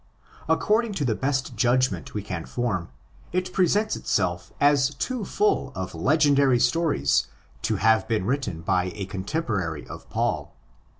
According to the best judgment we can form, it presents itself as too full of legendary stories to have been written by a contemporary of Paul.